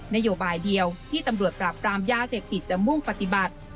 นโยบายเดียวที่ตำรวจปราบปรามยาเสพติดจะมุ่งปฏิบัติ